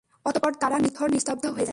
অতঃপর তারা নিথর নিস্তব্ধ হয়ে যায়।